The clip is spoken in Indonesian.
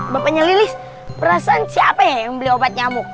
bapaknya lilis perasaan siapa yang beli obat nyamuk